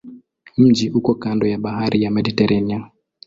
Mji uko kando ya bahari ya Mediteranea.